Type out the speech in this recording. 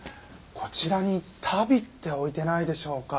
こちらに足袋って置いてないでしょうか？